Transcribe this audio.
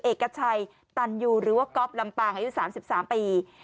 เอกชัยตันยูหรือว่าก๊อฟลำปางอายุ๓๓ปี